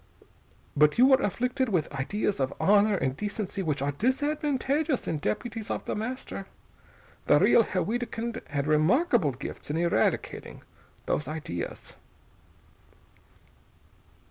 But you were afflicted with ideas of honor and decency, which are disadvantageous in deputies of The Master. The real Herr Wiedkind had remarkable gifts in eradicating those ideas."